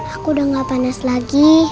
aku udah gak panas lagi